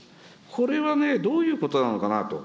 これはね、どういうことなのかなと。